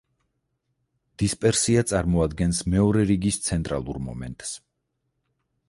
დისპერსია წარმოადგენს მეორე რიგის ცენტრალურ მომენტს.